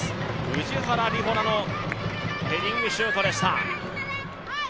氏原里穂菜のヘディングシュートでした。